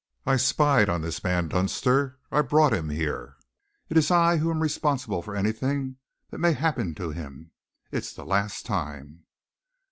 I spied on this man Dunster. I brought him here. It is I who am responsible for anything that may happen to him. It's the last time!"